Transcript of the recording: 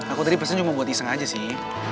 aku tadi pesan cuma buat iseng aja sih